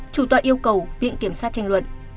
chủ tòa yêu cầu viện kiểm sát tranh luận